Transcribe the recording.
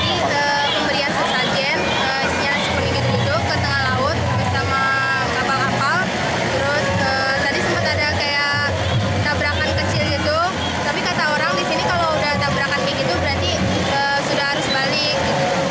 tapi kata orang disini kalau udah tabrakan kayak gitu berarti sudah harus balik